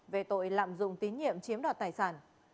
về tội lạm dụng tín nhiệm chiếm đoạt tài sản